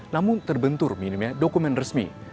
namun terbentur minimnya dokumen resmi